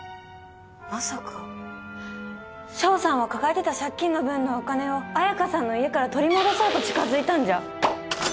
まさか翔さんは抱えてた借金の分のお金を綾香さんの家から取り戻そうと近づいたんじゃ？